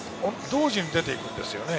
同時に出て行くんですよね。